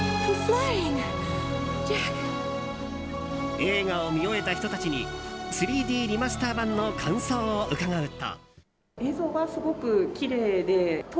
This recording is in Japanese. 映画を見終えた人たちに３Ｄリマスター版の感想を伺うと。